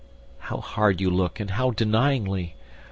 How hard you look and how denyingly!